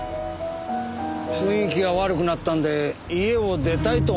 雰囲気が悪くなったんで家を出たいと思ったそうです。